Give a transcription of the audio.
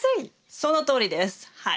そのとおりですはい。